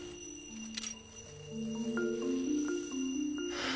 はあ。